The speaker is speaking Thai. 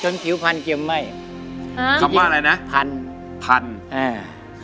จนผิวพันเกียวไหม้ฮะคำว่าอะไรน่ะพันพันอ่า